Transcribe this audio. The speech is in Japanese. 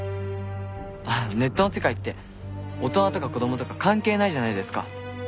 ああネットの世界って大人とか子供とか関係ないじゃないですか。